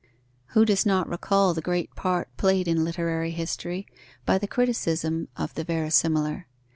Who does not recall the great part played in literary history by the criticism of the verisimilar?